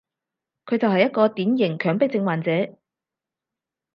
佢就係一個典型強迫症患者